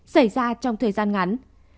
xảy ra trong thời gian ngắn